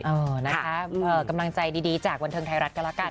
เออนะคะกำลังใจดีจากบันเทิงไทยรัฐกันแล้วกัน